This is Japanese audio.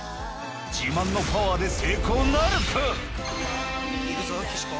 自慢のパワーで成功なるか⁉行くぞ岸子！